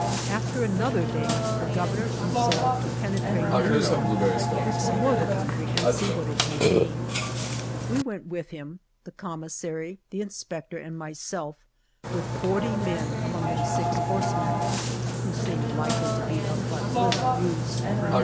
10 ALVAR NUNEZ CABEZA DE VACA AFTER another day the Governor re solved to penetrate inland to ex plore the country and see what it contained. We went with him the com missary, the inspector and myself, with forty men, among them six horsemen, who seemed likely to be of but little use.